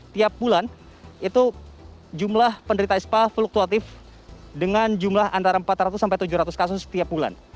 tiap bulan itu jumlah penderita ispa fluktuatif dengan jumlah antara empat ratus sampai tujuh ratus kasus setiap bulan